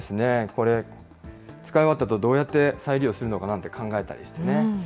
これ、使い終わったあと、どうやって再利用するのかな？って考えたりしてね。